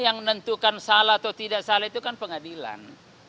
yang menentukan salah atau tidak salah itu kan pengadilan